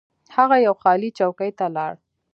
هغه یوې خالي چوکۍ ته لاړ.